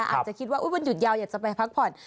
อาจจะคิดว่าวันหยุดยาวอยากจะไปพักผ่อน